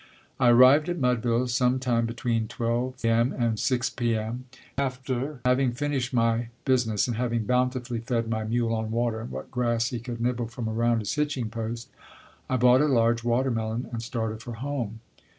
I arrived at Mudville sometime between 12 M. and 6 P. M. After having finished my business and having bountifully fed my mule on water and what grass he could nibble from around his hitching post, I bought a large watermelon and started for home.